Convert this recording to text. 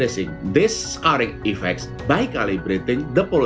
atau scarring effect terhadap perekonomian global